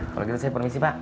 kalau gitu saya permisi pak